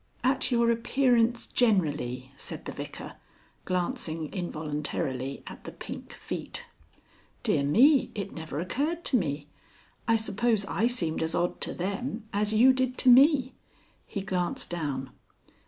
"At your appearance generally," said the Vicar, glancing involuntarily at the pink feet. "Dear me! It never occurred to me. I suppose I seemed as odd to them as you did to me." He glanced down.